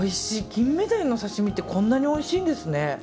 キンメダイの刺し身ってこんなにおいしいんですね。